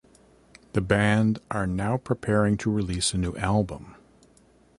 The band are now preparing to release a new album.